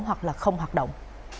hoặc là không hoạt động